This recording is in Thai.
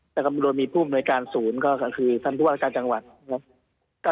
แล้วก็โดยมีผู้อำนวยการศูนย์ก็คือท่านผู้ว่าราชการจังหวัดนะครับ